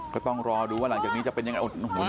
ก็ต้องรอดูว่าหลังจากนี้จะเป็นยังไง